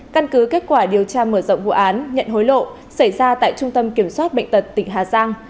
căn cứ kết quả điều tra mở rộng vụ án nhận hối lộ xảy ra tại trung tâm kiểm soát bệnh tật tỉnh hà giang